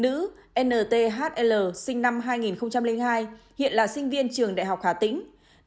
nữ n t h l sinh năm hai nghìn hai hiện là sinh viên trường đại học hà tĩnh